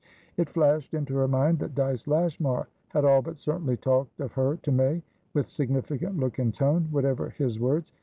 It flashed into her mind that Dyce Lashmar had all but certainly talked of her to Maywith significant look and tone, whatever his words.